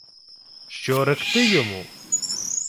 — Що ректи йому?